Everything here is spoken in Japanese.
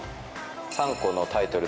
３個のタイトル